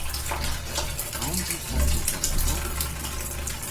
A wrons i kewsel Gallego?